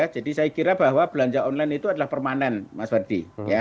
jadi saya kira bahwa belanja online itu adalah permanen mas fadi